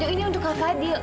ini untuk kak fadil